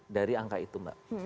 dari angka itu